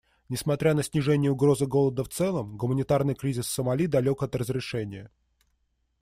Несмотря на снижение угрозы голода в целом, гуманитарный кризис в Сомали далек от разрешения.